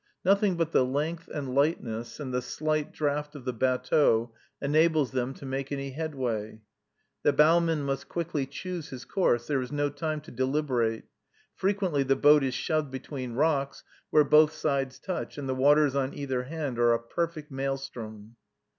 Nothing but the length and lightness, and the slight draught of the batteau, enables them to make any headway. The bowman must quickly choose his course; there is no time to deliberate. Frequently the boat is shoved between rocks where both sides touch, and the waters on either hand are a perfect maelstrom.